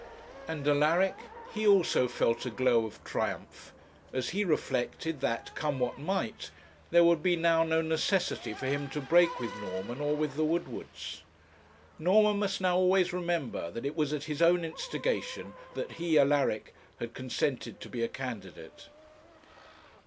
And Alaric, he also felt a glow of triumph as he reflected that, come what might, there would be now no necessity for him to break with Norman or with the Woodwards. Norman must now always remember that it was at his own instigation that he, Alaric, had consented to be a candidate.